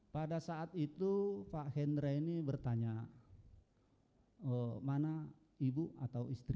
pada saat itu pak hendra ini bertanya mana ibu atau istri